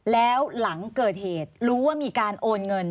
แล้วหลังเกิดเหตุรู้ว่ามีการโอนเงิน